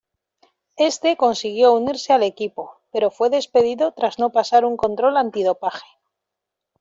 Éste consiguió unirse al equipo pero fue despedido tras no pasar un control antidopaje.